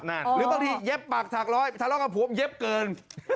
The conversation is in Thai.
หรือบางทีเย็บปากถากร้อยทะเลาะกับผมเย็บเกิน